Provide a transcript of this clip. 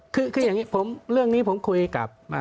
คืออย่างนี้เรื่องนี้ผมคุยกับ